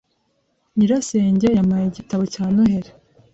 Nyirasenge yampaye igitabo cya Noheri .